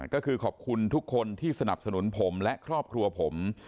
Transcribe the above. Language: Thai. ก็คือขอบคุณทุกคนที่สนับสนุนผมและครอบครัวผม